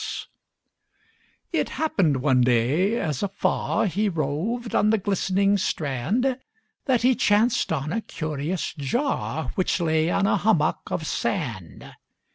It happened one day, as afar He roved on the glistening strand, That he chanced on a curious jar, Which lay on a hummock of sand.